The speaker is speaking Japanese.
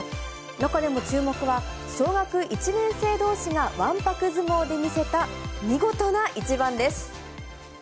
中でも注目は小学１年生どうしがわんぱく相撲で見せた見事な一番です。